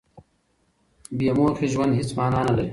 بې موخې ژوند هېڅ مانا نه لري.